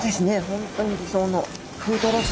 本当に理想の。